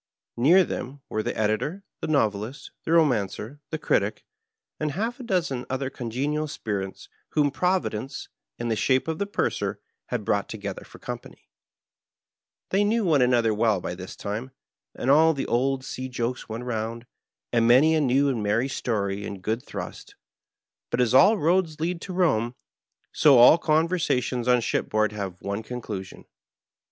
Near them were the Editor, the Novelist, the Bomancer, the Critic, and half a dozen other congenial spirits whom Providence, in the shape of the Purser, had brought together for company. They knew one another well by this time, and all the old sea jokes went round, and many a iiew and meny story Digitized by VjOOQIC 13 ON BOARD THE ''BAYABIA^ and good thruBt. Bat as all roads lead to Borne, so all conversationB on fihipboard have one conclusion.